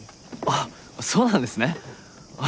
あっそうなんですね。